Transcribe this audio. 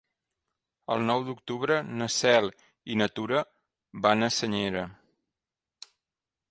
El nou d'octubre na Cel i na Tura van a Senyera.